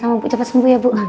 sama sama bu cepet sembuh ya bu